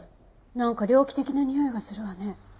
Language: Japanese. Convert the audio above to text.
なんか猟奇的なにおいがするわね。